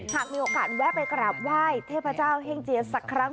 หากมีโอกาสแวะไปกราบไหว้เทพเจ้าเฮ่งเจียสักครั้ง